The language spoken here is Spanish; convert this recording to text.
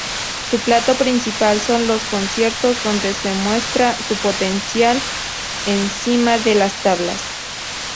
Su plato principal son los conciertos, donde muestran su potencial encima de las tablas.